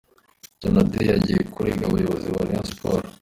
Donadei agiye kurega abayobozi ba Rayon Sports.